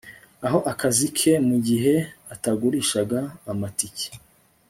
Aho akazi ke mugihe atagurishaga amatike